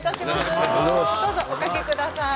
どうぞおかけください。